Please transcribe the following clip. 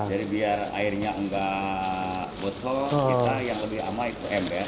jadi biar airnya enggak bosol kita yang lebih aman itu ember